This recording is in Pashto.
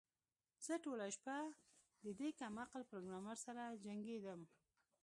زه ټوله شپه د دې کم عقل پروګرامر سره جنګیدم